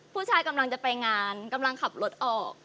ผู้ชายกำลังจะไปงานกำลังขับรถออก